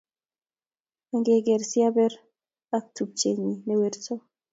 Ang'er si aber ak tupchenyin ne werto